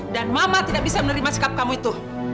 dan mama tidak bisa menerima sikap kamu itu